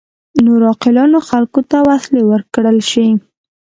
نورو علاقو خلکو ته وسلې ورکړل شي.